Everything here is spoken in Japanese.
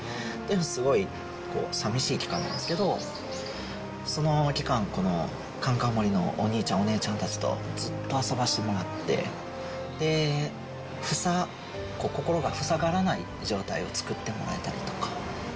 すごいさみしい期間なんですけど、その期間、かんかん森のお兄ちゃん、お姉ちゃんたちとずっと遊ばせてもらって、心が塞がらない状態を作ってもらえたりとか。